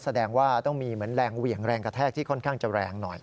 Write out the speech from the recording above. แสดงว่าต้องมีเหมือนแรงเหวี่ยงแรงกระแทกที่ค่อนข้างจะแรงหน่อย